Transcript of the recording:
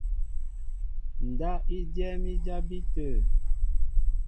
Ndáp i dyɛ́ɛ́m i jabí tə̂.